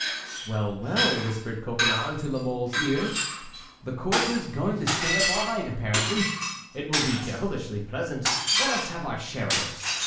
"Well, well," whispered Coconnas into La Mole's ear, "the court is going to stay up all night, apparently. It will be devilishly pleasant. Let us have our share of it."